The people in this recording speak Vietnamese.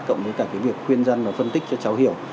cộng với cả cái việc khuyên dân và phân tích cho cháu hiểu